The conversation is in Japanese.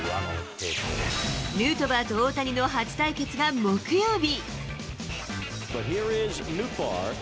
ヌートバーと大谷の初対決は木曜日。